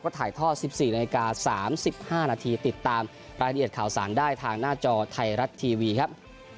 ถ่ายท่อ๑๔นาฬิกา๓๕นาทีติดตามรายละเอียดข่าวสารได้ทางหน้าจอไทยรัฐทีวีครับ